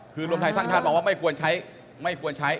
คือรวมไทยสร้างชาติบอกว่าไม่ควรใช้